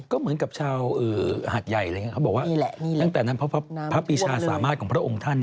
ก็เหมือนกับชาวหาดใหญ่เลยครับบอกว่าตั้งแต่นั้นพระปิชาสามารถของพระองค์ท่าน